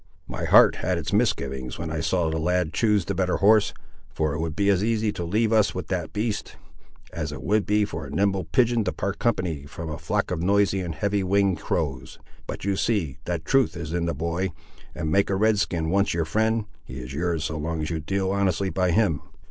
My heart had its misgivings when I saw the lad choose the better horse, for it would be as easy to leave us with that beast, as it would for a nimble pigeon to part company from a flock of noisy and heavy winged crows. But you see that truth is in the boy, and make a Red skin once your friend, he is yours so long as you deal honestly by him."